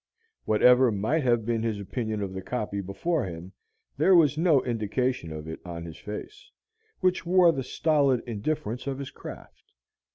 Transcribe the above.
Whatever might have been his opinion of the copy before him, there was no indication of it in his face, which wore the stolid indifference of his craft.